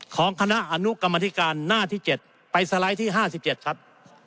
ของคณะอนุกรรมอธิการหน้าที่เจ็ดไปสไลด์ที่ห้าสิบเจ็ดครับ